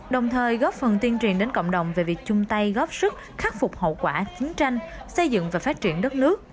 đồng thời góp phần tuyên truyền đến cộng đồng về việc chung tay góp sức khắc phục hậu quả chiến tranh xây dựng và phát triển đất nước